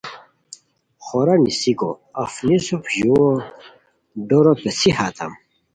خورا نونسیکو اوا نیسوف ژوؤ ڈورو پیڅی ہاتام